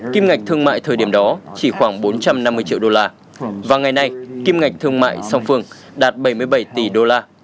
kim ngạch thương mại thời điểm đó chỉ khoảng bốn trăm năm mươi triệu đô la và ngày nay kim ngạch thương mại song phương đạt bảy mươi bảy tỷ đô la